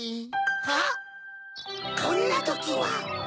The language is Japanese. あっこんなときは！